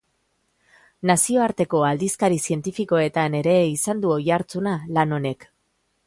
Nazioarteko aldizkari zientifikoetan ere izan du oihartzuna lan honek.